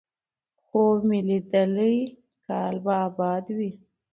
خوب مې ليدلی کال به اباد وي،